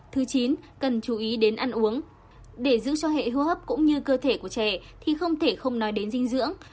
thứ chín cần chú ý đến ăn uống để giữ cho hệ hô hấp cũng như cơ thể của trẻ thì không thể không nói đến dinh dưỡng